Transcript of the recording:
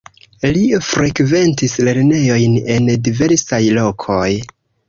Li frekventis lernejojn en diversaj lokoj.